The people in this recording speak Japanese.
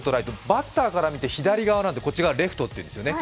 バッターから見て左側なので、こっち側がレフトっていうんですよね。